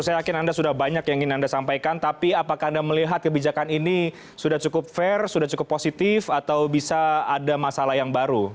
saya yakin anda sudah banyak yang ingin anda sampaikan tapi apakah anda melihat kebijakan ini sudah cukup fair sudah cukup positif atau bisa ada masalah yang baru